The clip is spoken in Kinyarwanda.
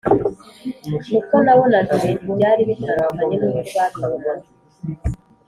Uko nabonaga ibintu byari bitandukanye nuko babibona